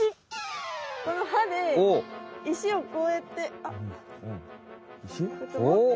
この歯で石をこうやってあっこうやってもって。